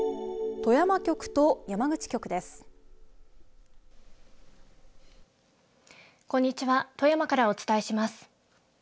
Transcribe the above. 富山からお伝えします。